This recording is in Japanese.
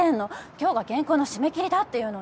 今日が原稿の締め切りだっていうのに！